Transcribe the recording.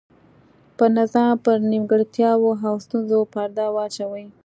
پر نظام پر نیمګړتیاوو او ستونزو پرده واچوي.